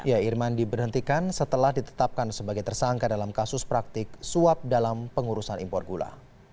ya irman diberhentikan setelah ditetapkan sebagai tersangka dalam kasus praktik suap dalam pengurusan impor gula